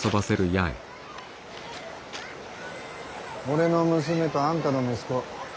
俺の娘とあんたの息子